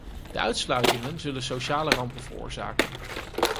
De uitsluitingen zullen sociale rampen veroorzaken.